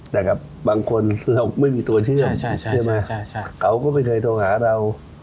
แต่กับบางคนเราไม่มีตัวเชื่อมใช่ไหมเขาก็ไม่เคยโทรหาเรา